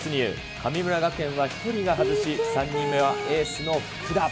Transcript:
神村学園は１人が外し、３人目はエースの福田。